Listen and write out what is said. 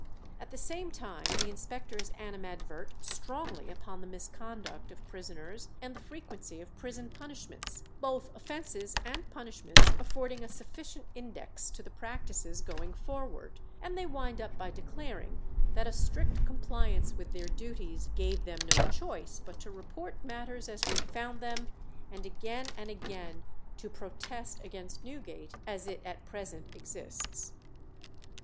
At the same time the inspectors animadvert strongly upon the misconduct of prisoners and the frequency of prison punishments, both offences and punishments affording a sufficient index to the practices going forward; and they wind up by declaring that a strict compliance with their duties gave them no choice "but to report matters as we found them, and again and again to protest against Newgate as it at present exists."